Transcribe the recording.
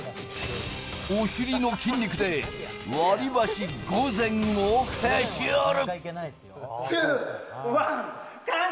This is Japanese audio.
お尻の筋肉で割り箸５膳をへし折る！